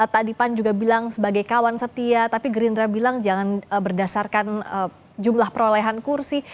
tadi pan juga bilang sebagai kawan setia tapi gerindra bilang jangan berdasarkan jumlah perolehan kursi